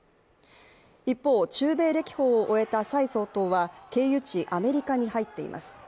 一方、中米歴訪を終えた蔡総統は経由地アメリカに入っています。